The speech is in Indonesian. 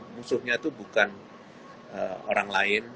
musuhnya itu bukan orang lain